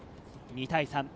２対３。